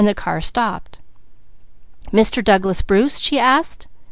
The car stopped. "Mr. Douglas Bruce?" she asked.